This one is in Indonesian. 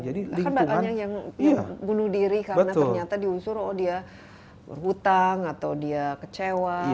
bahkan banyak yang bunuh diri karena ternyata diusur oh dia berhutang atau dia kecewa